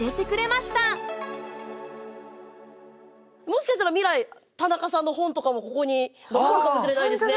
もしかしたら未来田中さんの本とかもここに残るかもしれないですね。